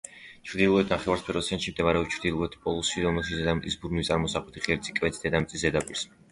ჩრდილოეთ ნახევარსფეროს ცენტრში მდებარეობს ჩრდილოეთი პოლუსი, რომელშიც დედამიწის ბრუნვის წარმოსახვითი ღერძი კვეთს დედამიწის ზედაპირს.